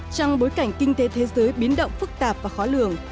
trong bối cảnh kinh tế thế giới biến động phức tạp và khó lường